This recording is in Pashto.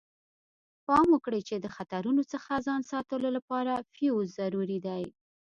پام وکړئ چې د خطرونو څخه ځان ساتلو لپاره فیوز ضروري دی.